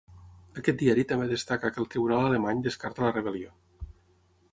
Aquest diari també destaca que el tribunal alemany descarta la rebel·lió.